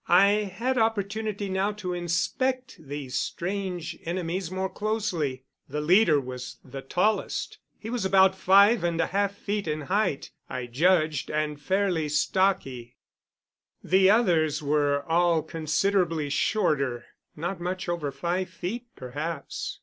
I had opportunity now to inspect these strange enemies more closely. The leader was the tallest. He was about five and a half feet in height, I judged, and fairly stocky. The others were all considerably shorter not much over five feet, perhaps.